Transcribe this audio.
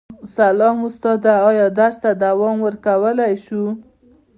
سلام استاده ایا درس ته دوام ورکولی شو